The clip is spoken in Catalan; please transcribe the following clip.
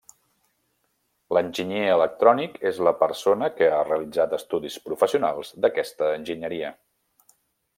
L'Enginyer electrònic és la persona que ha realitzat estudis professionals d'aquesta enginyeria.